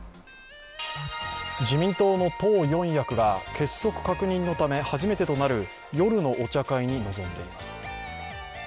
自民党の党四役が結束確認のため、初めてとなる夜のお茶会に臨んでいます。